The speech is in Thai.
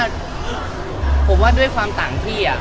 ผมว่าด้วยความต่างพี่